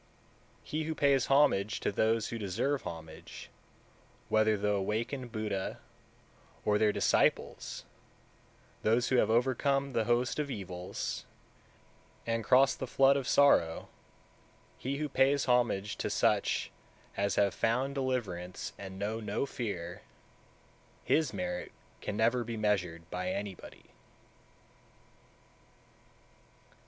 195, 196. He who pays homage to those who deserve homage, whether the awakened (Buddha) or their disciples, those who have overcome the host (of evils), and crossed the flood of sorrow, he who pays homage to such as have found deliverance and know no fear, his merit can never be measured by anybody.